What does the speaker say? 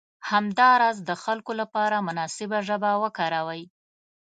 همداراز د خلکو لپاره مناسبه ژبه وکاروئ.